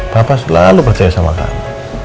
papa selalu percaya sama kamu